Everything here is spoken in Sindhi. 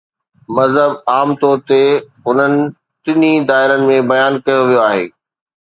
مذهب عام طور تي انهن ٽنهي دائرن ۾ بيان ڪيو ويو آهي.